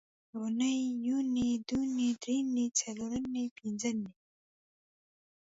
اونۍ یونۍ دونۍ درېنۍ څلورنۍ پینځنۍ